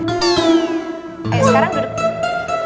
eh sekarang duduk